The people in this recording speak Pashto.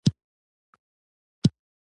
خپله همدغه پانګه دې په کار واچوه په پښتو ژبه.